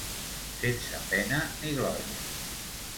Sense pena ni glòria.